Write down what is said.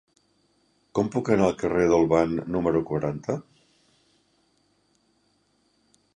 Com puc anar al carrer d'Olvan número quaranta?